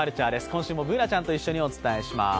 今週もＢｏｏｎａちゃんと一緒にお伝えします。